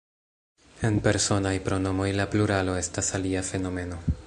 En Personaj pronomoj, la pluralo estas alia fenomeno.